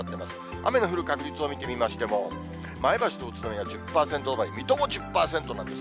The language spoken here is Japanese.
雨の降る確率を見てみましても、前橋と宇都宮１０％台、水戸も１０％なんですよ。